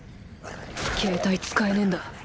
携帯使えねぇんだ。